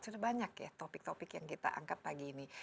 sudah banyak ya topik topik yang kita angkat pagi ini